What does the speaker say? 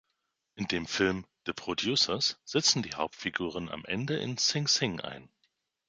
In dem Film "The Producers" sitzen die Hauptfiguren am Ende in Sing Sing ein.